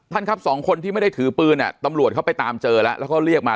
แล้วสองคนที่ไม่ได้ถือปืนตำรวจเขาไปตามเจอแล้วก็เรียกมา